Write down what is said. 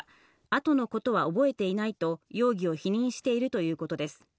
後のことは覚えていないと容疑を否認しているということです。